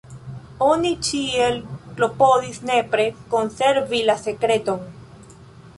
Oni ĉiel klopodis nepre konservi la sekreton.